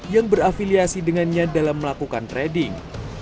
yang berafiliasi dengannya dalam melakukan trading